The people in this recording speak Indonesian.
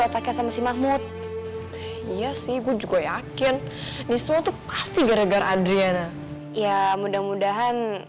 otaknya sama si mahmud iya sih gue juga yakin disitu pasti gara gara adriana ya mudah mudahan